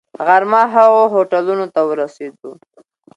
غرمه هغو هوټلونو ته ورسېدو.